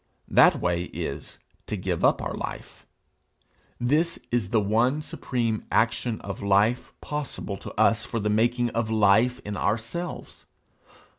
That way is, to give up our life. This is the one supreme action of life possible to us for the making of life in ourselves.